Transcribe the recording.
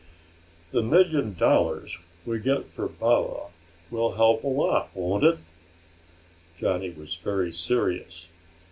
"The million dollars we get for Baba will help out a lot, won't it?" Johnny was very serious.